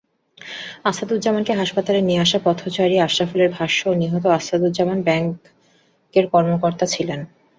আসাদুজ্জামানকে হাসপাতালে নিয়ে আসা পথচারী আশরাফুলের ভাষ্য, নিহত আসাদুজ্জামান ব্র্যাক ব্যাংকের কর্মকর্তা ছিলেন।